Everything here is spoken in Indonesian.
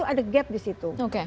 ada gap di situ